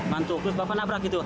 bantu terus bapak nabrak gitu